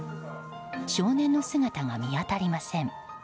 少年の姿が見当たりません。